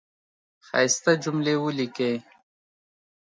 ښایسته جملی ولیکی